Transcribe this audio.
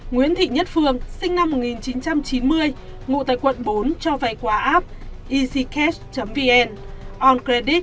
nguyễn thị nhất phương sinh năm một nghìn chín trăm chín mươi ngụ tại quận bốn cho vay quả app easycash vn